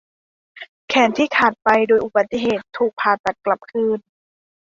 แขนที่ขาดไปโดยอุบัติเหตุถูกผ่าตัดกลับคืน